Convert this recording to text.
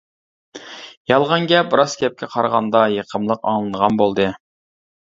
يالغان گەپ راست گەپكە قارىغاندا يېقىملىق ئاڭلىنىدىغان بولدى.